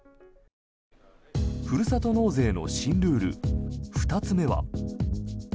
ふるさと納税の新ルール２つ目は。